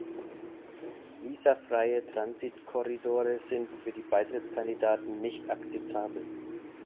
Visafreie Transitkorridore sind für die Beitrittskandidaten nicht akzeptabel.